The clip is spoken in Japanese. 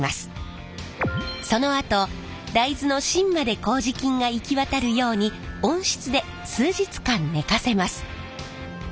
そのあと大豆の芯まで麹菌が行き渡るように温室で数日間寝かせます。